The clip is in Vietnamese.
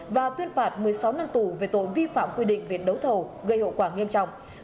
và tuyên phạt một mươi sáu năm tù về tội vi phạm quy định viện đấu thầu gây hậu quả nghiêm trọng